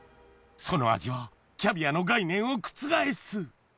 その味はキャビアの概念を覆す！